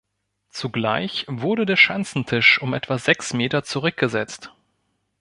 Zugleich wurde der Schanzentisch um etwa sechs Meter zurückgesetzt.